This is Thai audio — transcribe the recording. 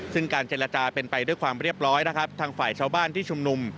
ซึ่งการเจรจาเป็นไปด้วยความเรียบร้อยนะครับทางฝ่ายชาวบ้านที่ชุมนุม